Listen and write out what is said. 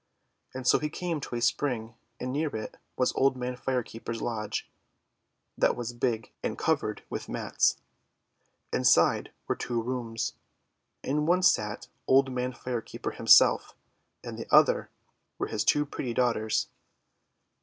And so he came to a spring, and near it was Old Man Fire Keeper's lodge, that was big and covered with mats. Inside were two rooms. In one sat Old Man Fire Keeper himself, in the other were his two pretty daughters.